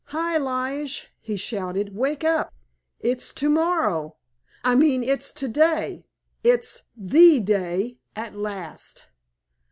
"Hi, Lige," he shouted, "wake up! It's to morrow—I mean it's to day—it's The Day at last!"